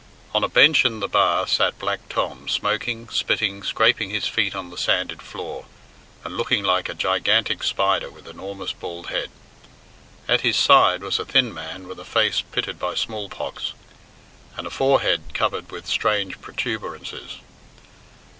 On a bench in the bar sat Black Tom, smoking, spitting, scraping his feet on the sanded floor, and looking like a gigantic spider with enormous bald head. At his side was a thin man with a face pitted by smallpox, and a forehead covered with strange protuberances.